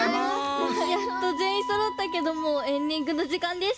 やっとぜんいんそろったけどもうエンディングのじかんです。